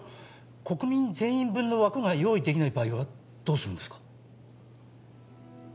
国民全員分の枠が用意できない場合はどうするんですか？